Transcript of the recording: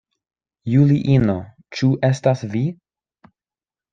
Juliino, ĉu estas vi?